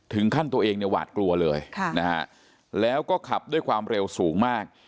ตัวเองเนี่ยหวาดกลัวเลยแล้วก็ขับด้วยความเร็วสูงมาก